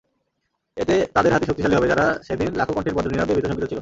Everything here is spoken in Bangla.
এতে তাদের হাতই শক্তিশালী হবে, যারা সেদিন লাখো কণ্ঠের বজ্রনিনাদে ভীত-শঙ্কিত ছিল।